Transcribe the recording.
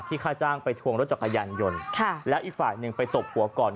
ค่าจ้างไปทวงรถจักรยานยนต์แล้วอีกฝ่ายหนึ่งไปตบหัวก่อน